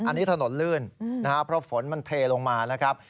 อันนี้ถนนลื่นเพราะว่าฝนมันเทลงมา